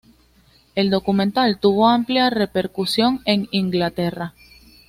El documental tuvo amplia repercusión en Inglaterra.